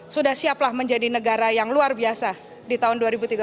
sudah siaplah menjadi negara yang luar biasa di tahun dua ribu tiga puluh